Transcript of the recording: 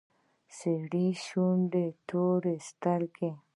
سرې شونډې تورې سترگې.